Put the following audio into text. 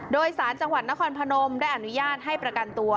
โดยสารจังหวัดนครพนมได้อนุญาตให้ประกันตัว